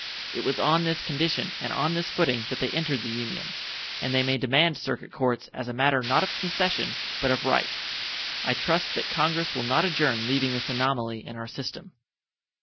It was on this condition and on this footing that they entered the Union, and they may demand circuit courts as a matter not of concession, but of right. I trust that Congress will not adjourn leaving this anomaly in our system.